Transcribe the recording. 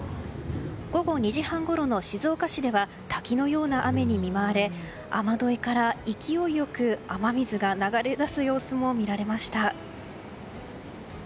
午後２時半ごろの静岡市では滝のような雨に見舞われ雨どいから勢いよく雨水が流れ出す様子も見られました。